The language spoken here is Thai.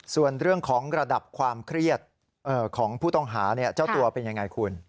ส่วนเรื่องของระดับความเครียดของผู้ต้องหาเจ้าตัวเป็นยังไงคุณ